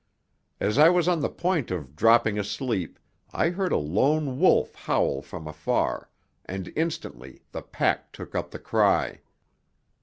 As I was on the point of dropping asleep I heard a lone wolf howl from afar, and instantly the pack took up the cry.